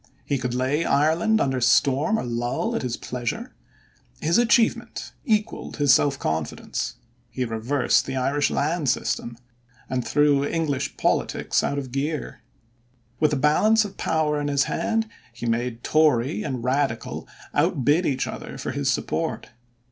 He could lay Ireland under storm or lull at his pleasure. His achievement equalled his self confidence. He reversed the Irish land system and threw English politics out of gear. With the balance of power in his hand, he made Tory and Radical outbid each other for his support.